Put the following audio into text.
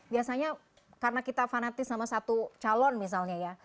biasanya karena kita fanatis sama satu calon misalnya ya